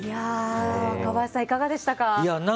若林さん、いかがでしたか？